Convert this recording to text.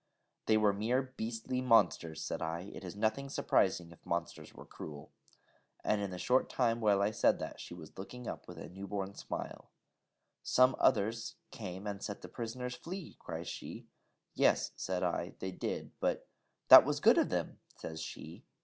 'They were mere beastly monsters,' said I: 'it is nothing surprising if monsters were cruel.' And in the short time while I said that, she was looking up with a new born smile. 'Some others came and set the plisoner flee!' cries she. 'Yes,' said I, 'they did, but ' 'That was good of them,' says she.